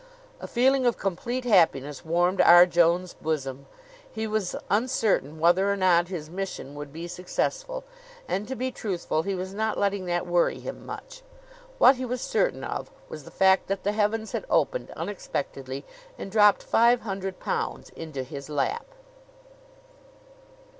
A feeling of complete happiness warmed R. Jones' bosom. He was uncertain whether or not his mission would be successful; and to be truthful he was not letting that worry him much. What he was certain of was the fact that the heavens had opened unexpectedly and dropped five hundred pounds into his lap.